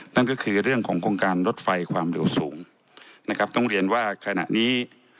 นั่นก็คือเรื่องของโครงการรถไฟความเร็วสูงนะครับต้องเรียนว่าขณะนี้